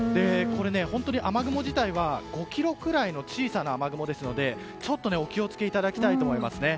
本当に雨雲自体は５ｋｍくらいの小さな雨雲ですのでちょっとお気を付けいただきたく思いますね。